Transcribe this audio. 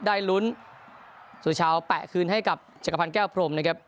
ได้ลุ้นสุชาวแปะคืนให้กับจักรพันธ์แก้วพรมนะครับ